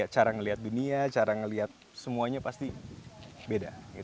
cara ngeliat dunia cara ngeliat semuanya pasti beda